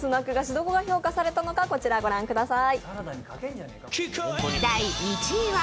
どこが評価されたのかこちら、御覧ください。